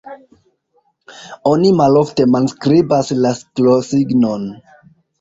Oni malofte manskribas la siklosignon.